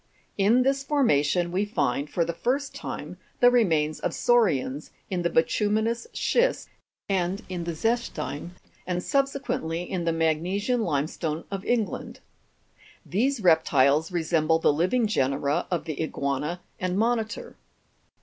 In this formation we find for the first time the remains of sau'rians, in the bituminous schist and in the zechstein, and subsequently in the magnesian limestone of England. These reptiles resemble the living genera of the iguana and monitor.